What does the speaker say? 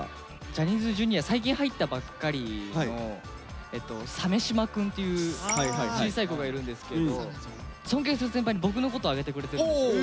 ジャニーズＪｒ．最近入ったばっかりの鮫島くんっていう小さい子がいるんですけど尊敬する先輩に僕のこと挙げてくれてるんですよ。